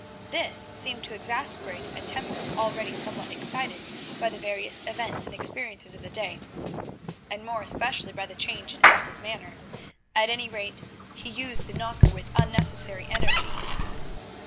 This seemed to exasperate a temper already somewhat excited by the various events and experiences of the day, and more especially by the change in Elsa's manner; at any rate he used the knocker with unnecessary energy.